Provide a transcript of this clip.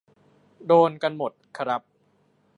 โดนกันหมดครับ